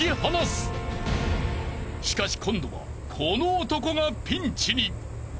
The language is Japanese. ［しかし今度はこの男がピンチに］